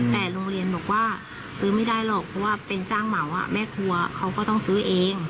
แต่โรงเรียนบอกว่าซื้อไม่ได้หรอกเพราะว่าเป็นจ้างเหมาแม่ครัวเขาก็ต้องซื้อเอง